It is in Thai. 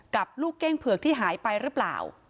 กับลูกเก้งเผือกที่หายไปหรือเปล่า